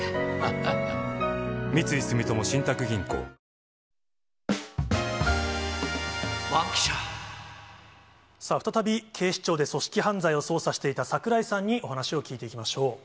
殴ってもいいよみたいな声がさあ、再び、警視庁で組織犯罪を捜査していた櫻井さんにお話を聞いていきまし